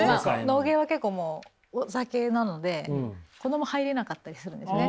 野毛は結構お酒なので子ども入れなかったりするんですね。